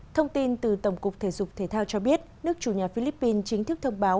thông tin từ tổng cục thể dục thể thao cho biết nước chủ nhà philippines chính thức thông báo